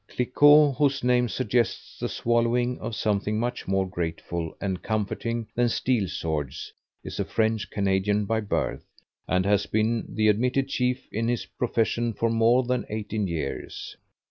Cliquot, whose name suggests the swallowing of something much more grateful and comforting than steel swords, is a French Canadian by birth, and has been the admitted chief in his profession for more than 18 years.